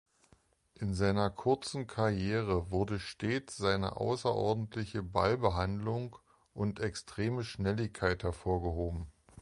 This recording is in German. In seiner kurzen Karriere wurde stets seine außerordentliche Ballbehandlung und extreme Schnelligkeit hervorgehoben.